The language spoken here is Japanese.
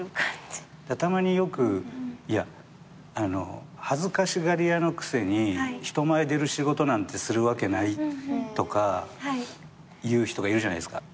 たまによく「いや恥ずかしがり屋のくせに人前出る仕事なんてするわけない」とか言う人がいるじゃないですか。